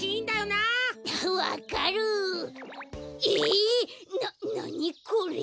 ななにこれ！